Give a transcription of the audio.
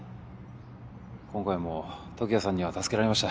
今回も時矢さんには助けられました。